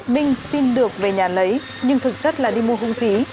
ninh xin được về nhà lấy nhưng thực chất là đi mua hung khí